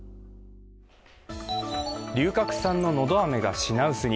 龍角散ののどあめが品薄に。